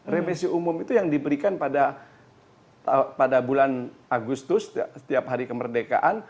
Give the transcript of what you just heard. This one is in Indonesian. remisi umum itu yang diberikan pada bulan agustus setiap hari kemerdekaan